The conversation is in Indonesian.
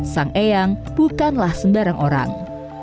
sang eyang bukanlah sembarang orang